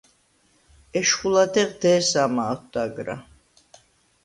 ეშხუ ლადეღ დე̄სამა ოთდაგრა.